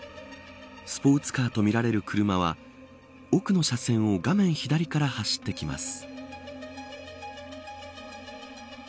スポーツカーとみられる車は奥の車線を画面左から走ってきます。